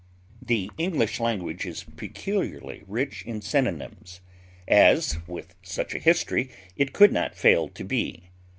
The English language is peculiarly rich in synonyms, as, with such a history, it could not fail to be.